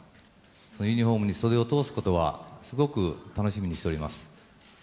そのユニホームに袖を通すことは、すごく楽しみにしております。